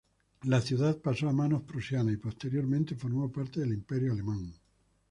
La ciudad pasó a manos prusianas y posteriormente formó parte del Imperio Alemán.